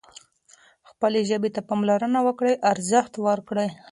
خپلې ژبې ته پاملرنه وکړئ او ارزښت ورکړئ.